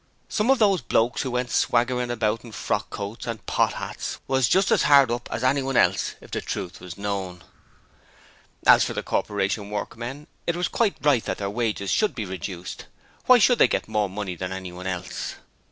Some of those blokes who went swaggering about in frock coats and pot 'ats was just as 'ard up as anyone else if the truth was known. As for the Corporation workmen, it was quite right that their wages should be reduced. Why should they get more money than anyone else?